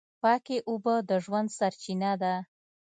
پاکې اوبه د ژوند سرچینه ده.